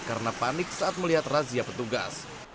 karena panik saat melihat raya petugas